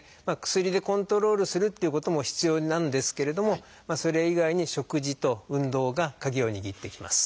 薬でコントロールするっていうことも必要なんですけれどもそれ以外に食事と運動が鍵を握ってきます。